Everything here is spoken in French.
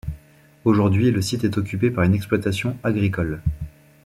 Aujourd'hui, le site est occupé par une exploitation agricole.